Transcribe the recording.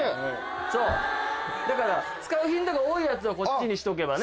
そうだから使う頻度が多いやつはこっちにしとけばね。